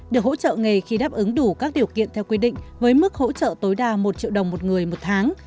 được hỗ trợ nghề khi đáp ứng đủ các điều kiện theo quy định với mức hỗ trợ tối đa một triệu đồng một người một tháng